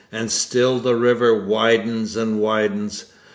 And still the river widens and widens.